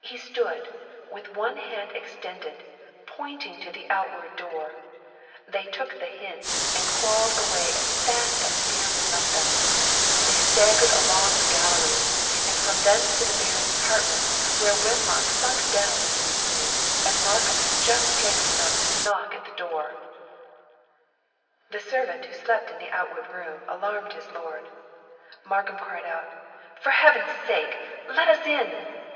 He stood, with one hand extended, pointing to the outward door; they took the hint, and crawled away as fast as fear would let them; they staggered along the gallery, and from thence to the Baron's apartment, where Wenlock sunk down in a swoon, and Markham had just strength enough to knock at the door. The servant who slept in the outward room alarmed his lord. Markham cried out, "For Heaven's sake, let us in!"